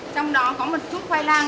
trong đó có một chút khoai lang